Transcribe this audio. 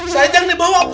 saya jangan dibawa pak